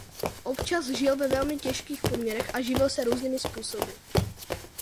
Občas žil ve velmi těžkých poměrech a živil se různými způsoby.